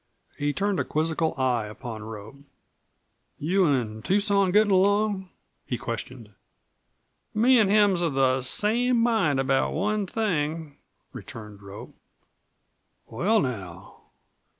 He turned a quizzical eye upon Rope. "You an' Tucson gettin' along?" he questioned. "Me an' him's of the same mind about one thing," returned Rope. "Well, now."